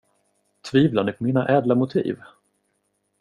Tvivlar ni på mina ädla motiv?